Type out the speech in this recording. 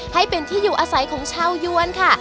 ให้เป็นที่อยู่อาศัยของชาวยวนค่ะ